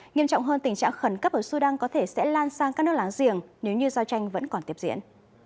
nghiêm trọng hơn tình trạng khẩn cấp ở sudan có thể sẽ lan sang các nước láng giềng nếu như giao tranh vẫn còn tiếp diễn